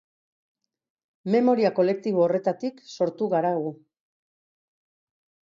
Memoria kolektibo horretatik sortu gara gu.